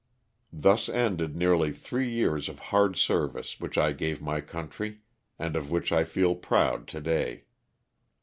Thus ended nearly three years of hard service which I gave my country, and of which I feel proud today.